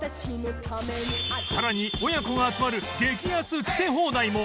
さらに親子が集まる激安着せ放題も！